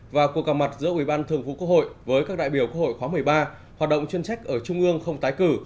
và cuộc gặp mặt giữa ubthqh với các đại biểu quốc hội khóa một mươi ba hoạt động chuyên trách ở trung ương không tái cử